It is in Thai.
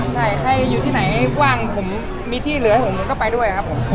ใช่ใครอยู่ที่ไหนว่างผมมีที่เหลือให้ผมผมก็ไปด้วยครับผม